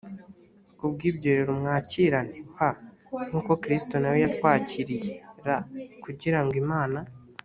ku bw ibyo rero mwakirane p nk uko kristo na we yatwakiriye r kugira ngo imana